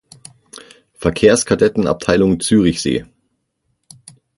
Verkehrskadetten Abteilung Zürichsee.